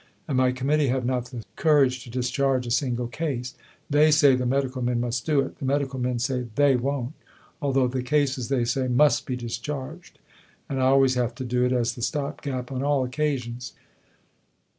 And my Committee have not the courage to discharge a single case. They say the Medical Men must do it. The Medical Men say they won't, although the cases, they say, must be discharged. And I always have to do it, as the stop gap on all occasions.